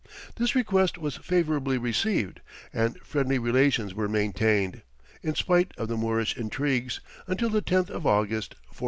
This request was favourably received, and friendly relations were maintained, in spite of the Moorish intrigues, until the 10th of August, 1498.